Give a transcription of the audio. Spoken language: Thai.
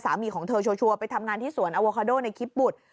ของเธอชัวร์ไปทำงานที่สวนอโวคาโดในคิปบุตร